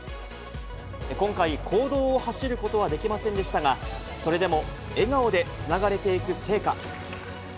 今回、公道を走ることはできませんでしたが、それでも笑顔でつながれていく聖火。